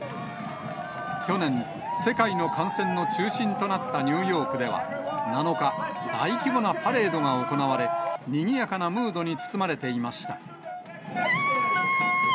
去年、世界の感染の中心となったニューヨークでは、７日、大規模なパレードが行われ、にぎやかなムードに包まれていました。